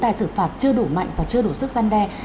tài xử phạt chưa đủ mạnh và chưa đủ sức gian đe